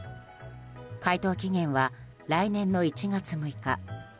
回答期限は来年の１月６日。